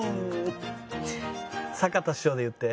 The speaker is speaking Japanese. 坂田師匠で言って。